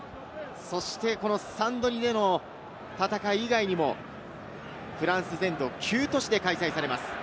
そしてサンドニでの戦い以外にもフランス全土９都市で開催されます。